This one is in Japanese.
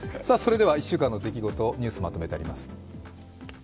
１週間の出来事、ニュースまとめてあります。